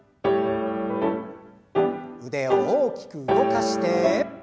腕を大きく動かして。